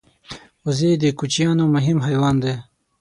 وزې د کوچیانو مهم حیوان دی